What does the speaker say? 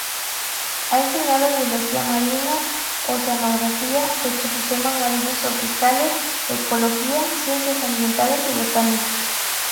Ha enseñado biología marina, oceanografía, ecosistemas marinos tropicales, ecología, ciencias ambientales, y botánica.